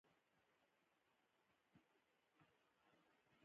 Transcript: علوم چا او ولې راته په دوو وویشل.